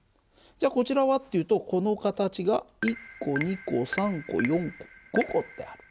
じゃあこちらはっていうとこの形が１個２個３個４個５個ってある。